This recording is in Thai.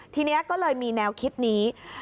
ทีนี้ก็เลยมีแนวคิดนี้